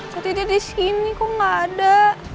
tapi dia di sini kok gak ada